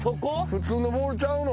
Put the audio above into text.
普通のボールちゃうの？